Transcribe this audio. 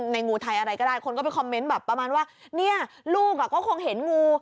งูไทยอะไรก็ได้คนก็ไปคอมเมนต์แบบประมาณว่าเนี่ยลูกก็คงเห็นงู